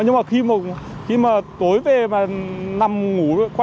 nhưng mà khi mà tối về mà nằm ngủ